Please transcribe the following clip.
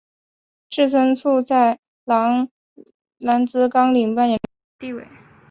志村簇在郎兰兹纲领扮演重要地位。